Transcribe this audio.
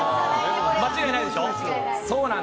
間違いないでしょう。